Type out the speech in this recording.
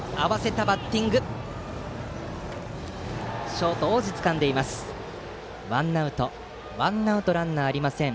ショート、大路がつかんでワンアウトランナーありません。